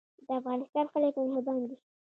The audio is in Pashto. د افغانستان خلک مهربان دي